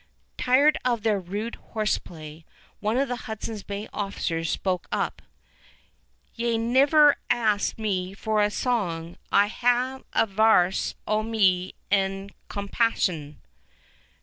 Tired of their rude horseplay, one of the Hudson's Bay officers spoke up: "Y' hae niver asked me for a song. I hae a varse o' me ain compaesin."